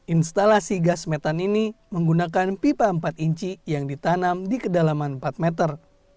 instalasi gas metan ini menggunakan pipa empat inci yang ditanam di kedalaman empat meter